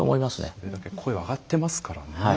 それだけ声が上がっていますからね。